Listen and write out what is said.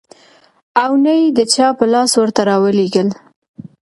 او نه يې د چا په لاس ورته راولېږل .